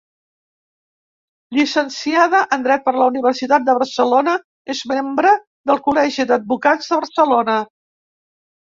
Llicenciada en dret per la Universitat de Barcelona, és membre del Col·legi d'Advocats de Barcelona.